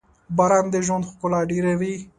• باران د ژوند ښکلا ډېروي.